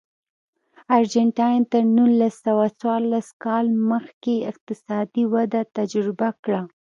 ارجنټاین تر نولس سوه څوارلس کال مخکې اقتصادي وده تجربه کړه.